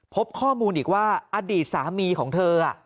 พบข้อมูลอีกว่าอดีตสามีของเธอ